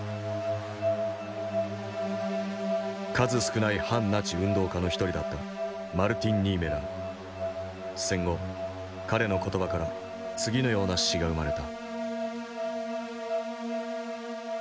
数少ない反ナチ運動家の一人だった戦後彼の言葉から次のような詩が生まれた。